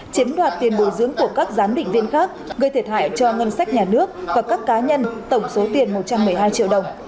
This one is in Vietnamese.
chiếm đoạt tiền bồi dưỡng của các giám định viên khác gây thiệt hại cho ngân sách nhà nước và các cá nhân tổng số tiền một trăm một mươi hai triệu đồng